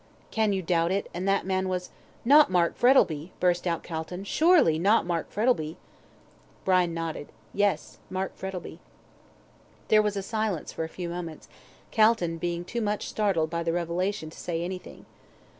"Can you doubt it? And that man was " "Not Mark Frettlby?" burst out Calton. "Surely not Mark Frettlby?" Brian nodded, "Yes, Mark Frettlby." There was a silence for a few moments, Calton being too much startled by the revelation to say anything.